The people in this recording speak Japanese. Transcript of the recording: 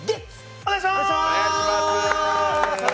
お願いしまーす！